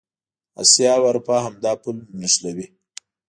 اسیا او اروپا همدا پل نښلوي.